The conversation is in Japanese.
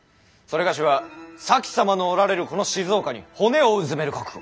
某は前様のおられるこの静岡に骨をうずめる覚悟。